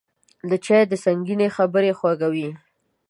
چای د سنګینې خبرې خوږوي